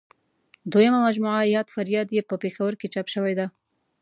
دویمه مجموعه یاد فریاد یې په پېښور کې چاپ شوې ده.